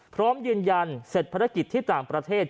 พร้อมยืนยันเสร็จภารกิจที่ต่างประเทศ